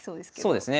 そうですね。